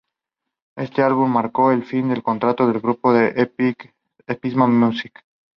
Este álbum marcó el fin del contrato del grupo con Epsa Music.